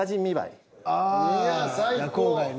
いや最高。